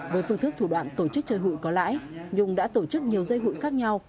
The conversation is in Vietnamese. với phương thức thủ đoạn tổ chức chơi hụi có lãi nhung đã tổ chức nhiều dây hụi khác nhau